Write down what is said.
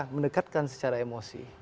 mendekatkan secara emosi